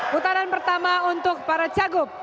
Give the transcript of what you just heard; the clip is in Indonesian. putaran pertama untuk para cagup